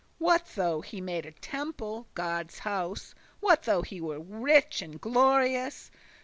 What though he made a temple, Godde's house? What though he were rich and glorious?